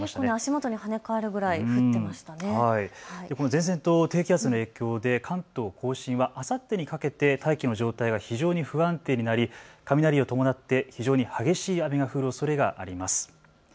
前線と低気圧の影響で関東甲信はあさってにかけて大気の状態が非常に不安定になり雷を伴って非常に激しい雨が降るおそれがあります。